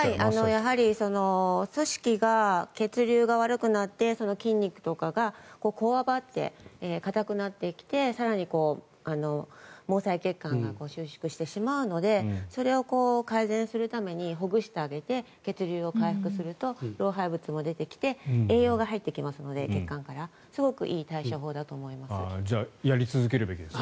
やはり組織が血流が悪くなって筋肉とかがこわばって硬くなってきて、更に毛細血管が収縮してしまうのでそれを改善するためにほぐしてあげて血流を回復すると老廃物も出てきて栄養が血管から入ってきますのですごくいい対処法だと思います。